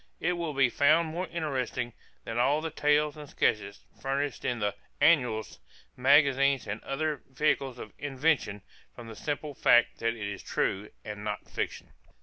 It will be found more interesting than all the tales and sketches furnished in the 'Annuals,' magazines, and other vehicles of invention, from the simple fact that it is truth and not fiction."